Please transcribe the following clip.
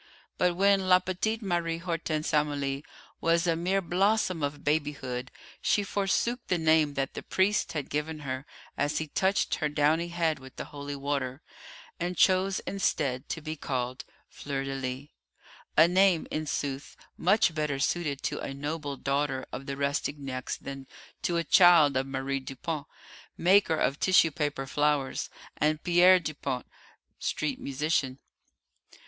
But when la petite Marie Hortense Amélie was a mere blossom of babyhood she forsook the name that the priest had given her as he touched her downy head with the holy water, and chose instead to be called Fleur de lis a name, in sooth, much better suited to a noble daughter of the Rastignacs than to a child of Marie Dupont, maker of tissue paper flowers, and Pierre Dupont, street musician.